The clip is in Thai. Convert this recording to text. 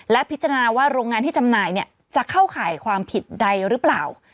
และพิจารณาว่าโรงงานที่จำหน่ายจะเข้าข่ายความผิดใดหรือเปล่า